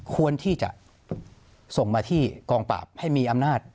ควรที่จะส่งมาที่กองปราบให้มีอำนาจ